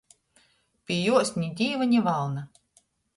Pi jūs ni Dīva, ni valna.